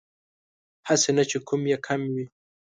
هسې نه چې کوم يې کم وي